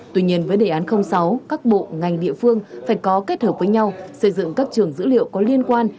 tuy nhiên với đề án sáu các bộ ngành địa phương phải có kết hợp với nhau xây dựng các trường dữ liệu có liên quan